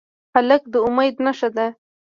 هلک د امید نښه ده.